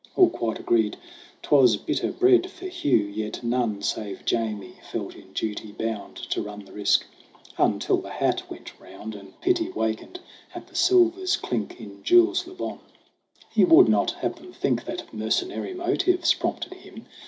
All quite agreed 'twas bitter bread for Hugh, Yet none, save Jamie, felt in duty bound To run the risk until the hat went round, And pity wakened, at the silver's clink, In Jules Le Bon. 'He would not have them think That mercenary motives prompted him.